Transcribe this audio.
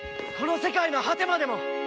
この世界の果てまでも！